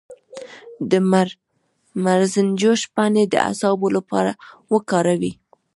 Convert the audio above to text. د مرزنجوش پاڼې د اعصابو لپاره وکاروئ